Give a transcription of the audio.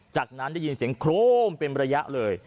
จากนั้นได้ยินเสียงโครมเป็นระยะเลย